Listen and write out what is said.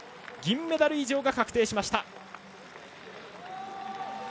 銀メダル以上が確定しました。